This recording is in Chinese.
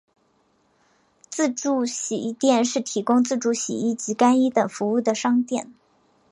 自助洗衣店是提供自助洗衣及干衣等服务的商店。